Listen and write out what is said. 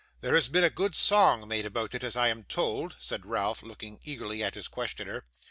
There has been a good song made about it, as I am told,' said Ralph, looking eagerly at his questioner.